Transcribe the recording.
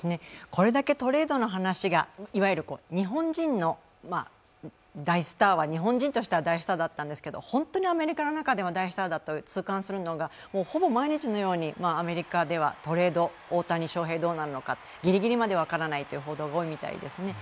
これだけトレードの話が、日本人としては大スターだったんですけど、本当にアメリカの中でも大スターだと痛感するのがほぼ毎日のようにアメリカではトレード、大谷翔平どうなるのか、ギリギリまで分からないという報道が多いみたいですね。